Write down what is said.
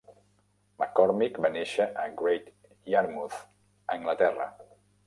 McCormick va néixer en Great Yarmouth, Anglaterra.